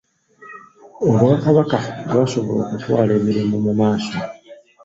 Obwakabaka bwasobola okutwala emirimu mu maaso